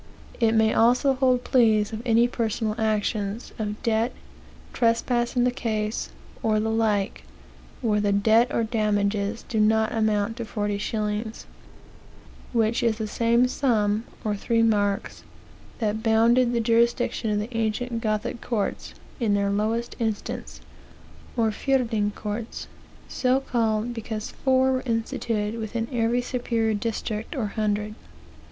It may also hold plea of any personal actions, of debt, trespass in the case, or the like, where the debt or damages do not amount to forty shillings; which is the same sum, or three marks, that bounded the jurisdiction of the ancient Gothic courts in their lowest instance, or fierding courts, so called because four were institute within every superior district or hundred."